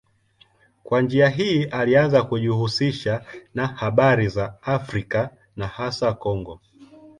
Kwa njia hii alianza kujihusisha na habari za Afrika na hasa Kongo.